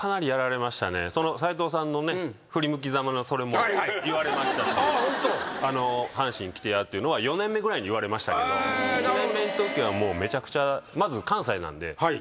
斎藤さんの振り向きざまのそれも言われましたし「阪神来てや」っていうのは４年目ぐらいに言われましたけど１年目のときはもうめちゃくちゃ。